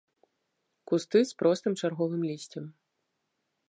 Кусты з простым чарговым лісцем.